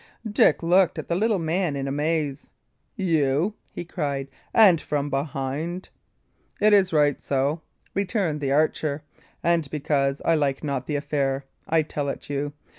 Dick looked at the little man in amaze. "You!" he cried. "And from behind!" "It is right so," returned the archer; "and because I like not the affair I tell it you.